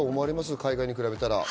海外に比べたら。